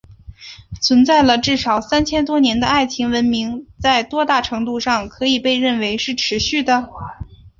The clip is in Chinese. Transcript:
存在了至少三千多年的爱琴文明在多大程度上可以被认为是持续的？